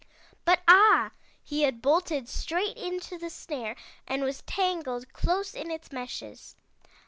But ah! he had bolted straight into the snare and was tangled close in its meshes.